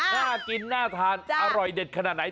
น่ากินน่าทานอร่อยเด็ดขนาดไหน